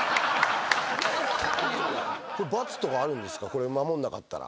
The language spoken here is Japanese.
これ守んなかったら。